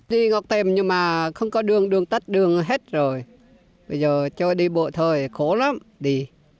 đi ngọc tem nhưng mà không có đường đường tắt đường hết rồi bây giờ cho đi bộ thôi khổ lắm đi